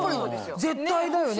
絶対だよね？